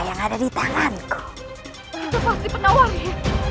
ini lihat apa yang ada di tanganku